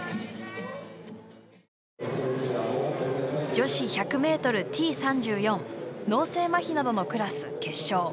女子１００ｍ、Ｔ３４脳性まひなどのクラス決勝。